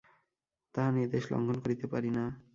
তাঁহার নির্দেশ লঙ্ঘন করিতে পারি না।